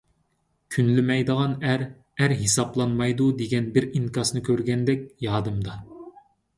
«كۈنلىمەيدىغان ئەر، ئەر ھېسابلانمايدۇ» دېگەن بىر ئىنكاسنى كۆرگەندەك يادىمدا.